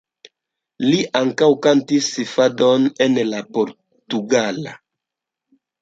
Li ankaŭ kantis fadojn en la portugala.